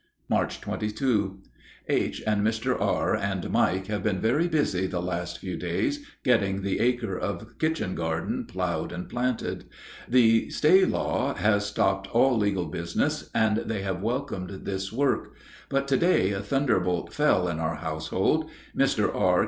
March 22. H., Mr. R., and Mike have been very busy the last few days getting the acre of kitchen garden plowed and planted. The stay law has stopped all legal business, and they have welcomed this work. But to day a thunderbolt fell in our household. Mr. R.